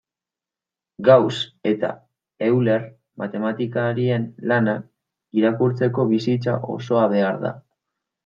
Gauss eta Euler matematikarien lanak irakurtzeko bizitza osoa behar da.